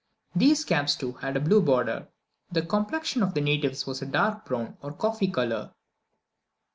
These caps, too, had a blue border. The complexion of the natives was a dark brown or coffee colour.